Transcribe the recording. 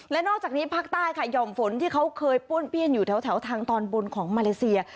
และนอกจากนี้ภาคใต้ค่ะหย่อมฝนที่เขาเคยป้วนเปี้ยนอยู่แถวทางตอนบนของมาเลเซีย